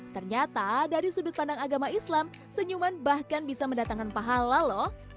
ternyata dari sudut pandang agama islam senyuman bahkan bisa mendatangkan pahala loh